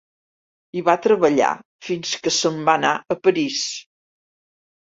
Hi va treballar fins que se'n va anar a París.